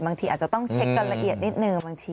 บางทีอาจจะต้องเช็คกันละเอียดนิดนึงบางที